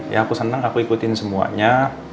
ya aku senang aku ikutin semuanya